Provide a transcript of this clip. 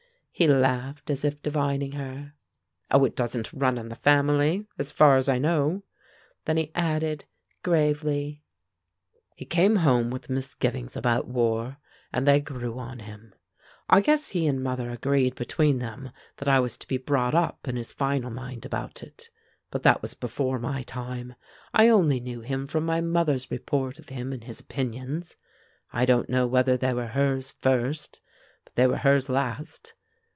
He laughed as if divining her: "Oh, it doesn't run in the family, as far as I know!" Then he added, gravely, "He came home with misgivings about war, and they grew on him. I guess he and mother agreed between them that I was to be brought up in his final mind about it; but that was before my time. I only knew him from my mother's report of him and his opinions; I don't know whether they were hers first; but they were hers last.